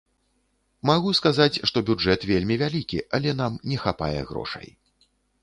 Магу сказаць, што бюджэт вельмі вялікі, але нам не хапае грошай.